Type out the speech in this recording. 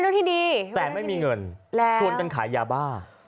แต่ไม่มีเงินชวนเป็นขายยาบ้า